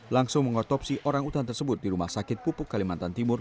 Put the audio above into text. langsung mengotopsi orang utan tersebut di rumah sakit pupuk kalimantan timur